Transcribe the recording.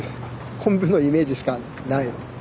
昆布のイメージしかない。